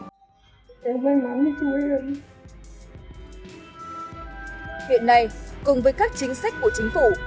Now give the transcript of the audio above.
hiện nay cùng với các chính sách của chính phủ